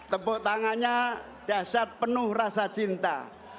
tepuk tangannya dasyat penuh rasa cinta